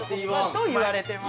◆と言われてます。